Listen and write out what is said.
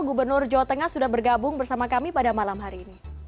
gubernur jawa tengah sudah bergabung bersama kami pada malam hari ini